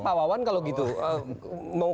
pawawan kalau gitu mau